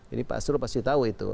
ini pak astro pasti tahu itu